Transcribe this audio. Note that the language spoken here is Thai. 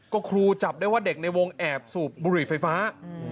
ก็ครูจับได้ว่าเด็กในวงแอบสูบบุหรี่ไฟฟ้า